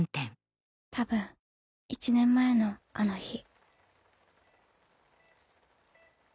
多分１年前のあの日。